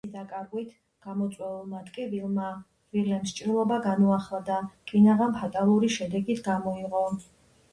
მისი დაკარგვით გამოწვეულმა ტკივილმა ვილემს ჭრილობა განუახლა და კინაღამ ფატალური შედეგი გამოიღო.